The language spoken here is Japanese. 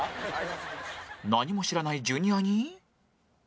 何も知らないジュニアに